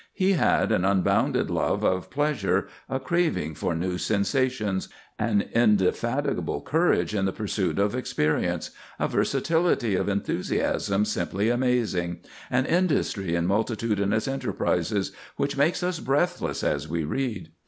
He had an unbounded love of pleasure, a craving for new sensations, an indefatigable courage in the pursuit of experience, a versatility of enthusiasm simply amazing, an industry in multitudinous enterprises which makes us breathless as we read.